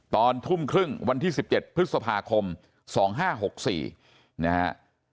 ตอนทุ่มครึ่งวันที่๑๗พฤษภาคม๒๕๖๔นะฮะ